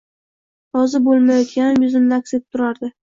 Rozi bo`lmayotganim yuzimda aks etib turardi